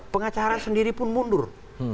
pengacara sendiri pun mundur